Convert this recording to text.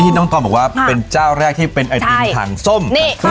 น้องตอมบอกว่าเป็นเจ้าแรกที่เป็นไอติมถังส้ม